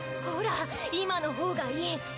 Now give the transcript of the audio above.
ほら今のほうがいい！